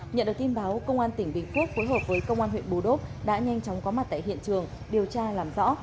nhận được tin báo công an tỉnh bình phước phối hợp với công an huyện bù đốp đã nhanh chóng có mặt tại hiện trường điều tra làm rõ